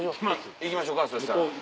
行きましょうかそしたら。